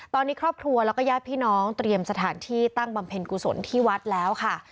ตอนนี้ครอบครัวแล้วก็ญาติพี่น้องเตรียมสถานที่ตั้งบำเพ็ญกุศลที่วัดแล้วค่ะ